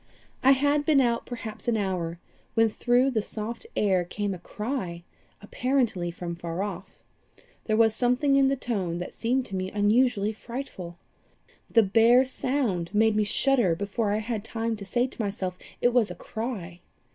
"I had been out perhaps an hour, when through the soft air came a cry, apparently from far off. There was something in the tone that seemed to me unusually frightful. The bare sound made me shudder before I had time to say to myself it was a cry.